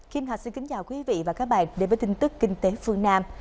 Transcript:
kim thạch xin kính chào quý vị và các bạn đến với tin tức kinh tế phương nam